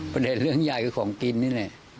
ประเด็นเรื่องใหญ่คือของกินนี้